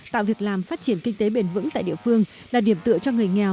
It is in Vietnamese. tạo việc làm phát triển kinh tế bền vững tại địa phương là điểm tựa cho người nghèo